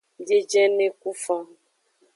Biejene ku fan.